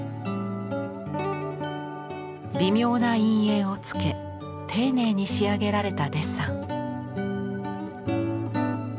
微妙な陰影をつけ丁寧に仕上げられたデッサン。